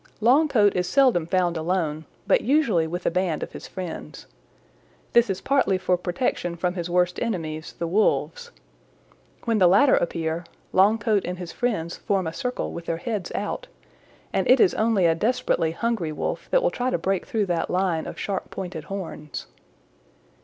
"Longcoat is seldom found alone, but usually with a band of his friends. This is partly for protection from his worst enemies, the Wolves. When the latter appear, Longcoat and his friends form a circle with their heads out, and it is only a desperately hungry Wolf that will try to break through that line of sharp pointed horns.